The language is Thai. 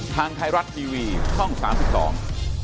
ทางไทยรัฐทีวีช่องสามสิบสอง